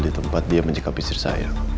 di tempat dia menjaga pisir saya